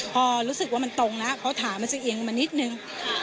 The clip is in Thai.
พอรู้สึกว่ามันตรงแล้วเขาถามมันจะเอียงมานิดนึง